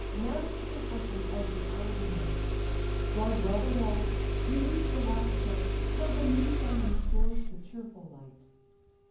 Now take refreshment as the hour demands; Guard well the walls, relieve the watch of night. Till the new sun restores the cheerful light.